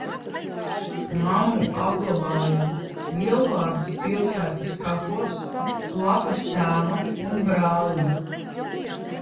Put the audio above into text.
Mammu apglabājam Lielvārdes pilsētas kapos blakus tēvam un brālim.